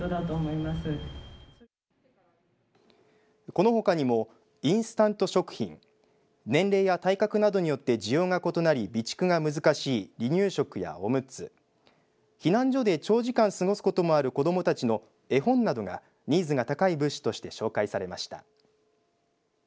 このほかにもインスタント食品年齢や体格などによって需要が異なり備蓄が難しい離乳食やおむつ避難所で長時間過ごすこともある子どもたちの絵本などがニーズが高い物資として紹介されました。